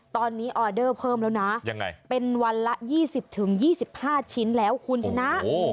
ตอนนี้ออเดอร์เพิ่มแล้วนะเป็นวันละ๒๐๒๕ชิ้นแล้วคุณชนะ